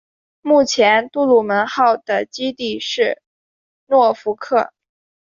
目前杜鲁门号的基地是诺福克。